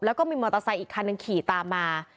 แล้วก็มีมอเตอร์ไซค์อีกคันหนึ่งขี่ตามมา